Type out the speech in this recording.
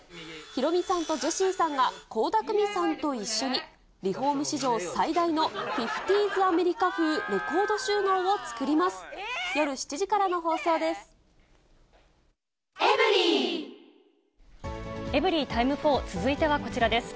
ヒロミさんとジェシーさんが倖田來未さんと一緒に、リホーム史上最大のフィフティーンズアメリカ風、レコード収納を作ります。